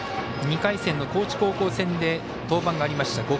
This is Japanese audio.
２回戦の高知高校戦で登板がありました。